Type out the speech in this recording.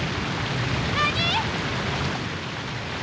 何？